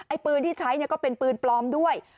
ปืนที่ใช้ก็เป็นปืนปลอมด้วย